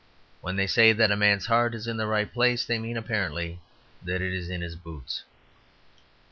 When they say that a man's heart is in the right place, they mean, apparently, that it is in his boots.